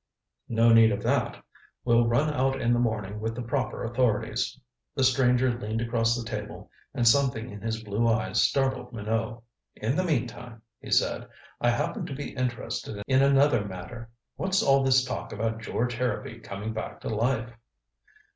"No need of that. We'll run out in the morning with the proper authorities." The stranger leaned across the table, and something in his blue eyes startled Minot. "In the meantime," he said, "I happen to be interested in another matter. What's all this talk about George Harrowby coming back to life?"